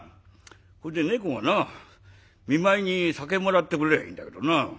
ほんで猫がな見舞いに酒もらってくれりゃいいんだけどな。